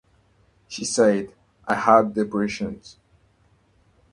She said, I had depression.